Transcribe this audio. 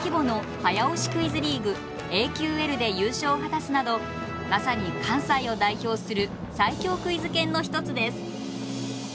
クイズリーグＡＱＬで優勝を果たすなどまさに関西を代表する最強クイズ研の一つです。